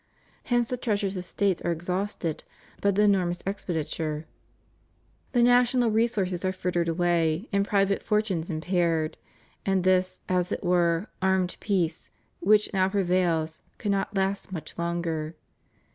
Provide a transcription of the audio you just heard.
Hence the treasures of States are exhausted b)'^ the enormous expenditure, the national resources are frittered away, and private for tunes impaired ; and this, as it were, amied peace, which now prevails, cannot last much longer.